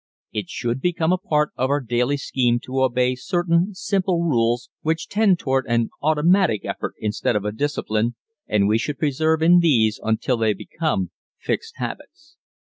It should become a part of our daily scheme to obey certain, simple rules which tend toward an automatic effort instead of a discipline, and we should persevere in these until they become fixed habits.